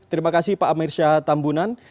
terima kasih pak amir syahatambunan